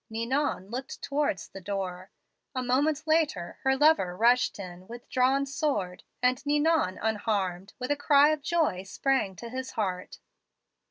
Ninon looked towards the door. A moment later her lover rushed in with drawn sword; and Ninon, unharmed, with a cry of joy sprang to his heart.